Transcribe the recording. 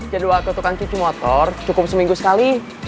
jadwal ketukan cuci motor cukup seminggu sekali